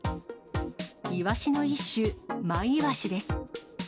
イワシの一種、マイワシです。